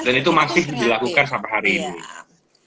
dan itu masih dilakukan sampai hari ini